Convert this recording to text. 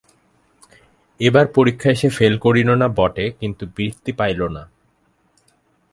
এবার পরীক্ষায় সে ফেল করিল না বটে কিন্তু বৃত্তি পাইল না।